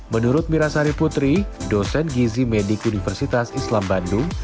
menurut mirasari putri dosen gizi medik universitas islam bandung